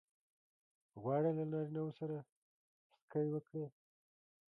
غواړې له نارینه وو سره سکی وکړې؟